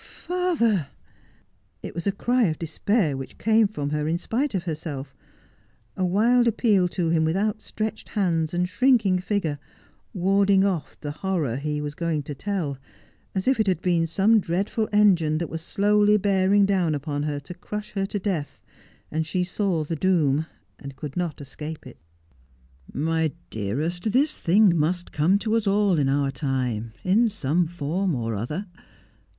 'Father!' It was a cry of despair which came from her, in spite of her self — a wild appeal to him with outstretched hands and shrink ing figure — warding off the horror he was going to tell : as if it had been some dreadful engine that was slowly bearing down upon her to crush her to death, and she saw the doom, and could not escape it. ' My dearest, this thing must come to us all in our time, in some form or other.